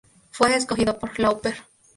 Fue escogido por Lauper.